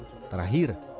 warnai tepian cobek